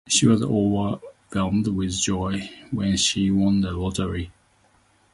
She was overwhelmed with joy when she won the lottery.